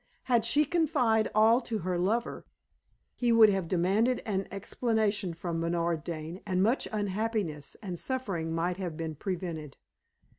Had she confided all to her lover, he would have demanded an explanation from Bernard Dane, and much unhappiness and suffering might have been prevented.